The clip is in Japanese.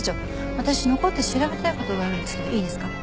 私残って調べたい事があるんですけどいいですか？